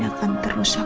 apa yang buses